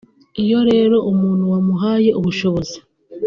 Iyo rero umuntu wamuhaye ubushobozi